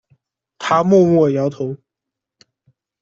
他默默摇头